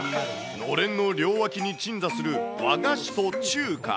のれんの両脇に鎮座する和菓子と中華。